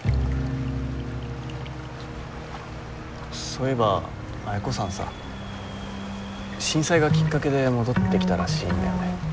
そういえば綾子さんさ震災がきっかけで戻ってきたらしいんだよね。